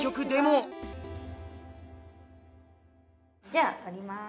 じゃあ取ります。